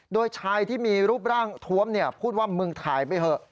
โดยชายที่มีรูปร่างทวมพูดว่ามึงถ่ายไปเถอะ